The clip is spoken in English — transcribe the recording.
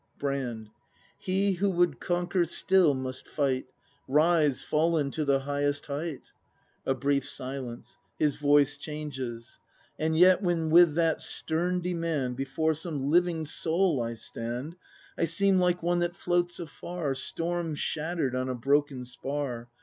Brand. He who would conquer still must fight. Rise, fallen to the highest height. [A brief silence: his voice changes.] And yet, when with that stern demand Before some living soul I stand, I seem like one that floats afar Storm shatter'd on a broken spar.